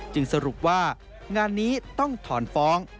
สรุปว่างานนี้ต้องถอนฟ้อง